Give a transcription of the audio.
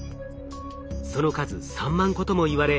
その数３万個ともいわれ